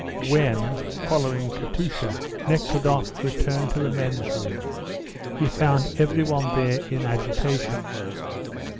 When, following Katusha, Nekhludoff returned to the men's room, he found every one there in agitation.